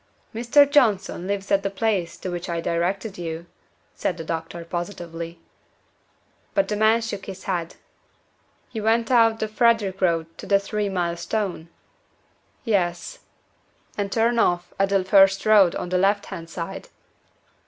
"Mr. Johnson lives at the place to which I directed you," said the doctor, positively. But the man shook his head. "You went out the Fredrick road to the three mile stone?" "Yes." "And turned off at the first road on the left hand side?"